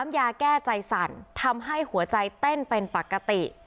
ยาแก้ใจสั่นทำให้หัวใจเต้นเป็นปกติ